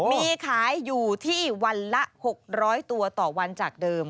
มีขายอยู่ที่วันละ๖๐๐ตัวต่อวันจากเดิม